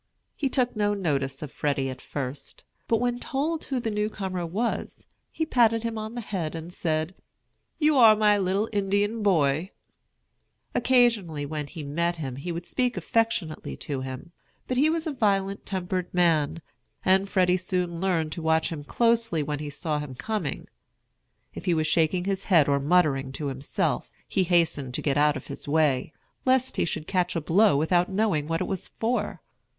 He took no notice of Freddy at first, but when told who the newcomer was, he patted him on the head and said, "You are my little Indian boy." Occasionally when he met him he would speak affectionately to him; but he was a violent tempered man, and Freddy soon learned to watch him closely when he saw him coming. If he was shaking his head or muttering to himself, he hastened to get out of his way, lest he should catch a blow without knowing what it was for.